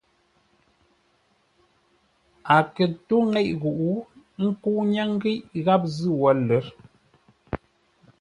A kə̂ ntó nŋéʼ ghuʼu, ə́ nkə́u ńnyáŋ ghíʼ gháp zʉ́ wo lə̌r.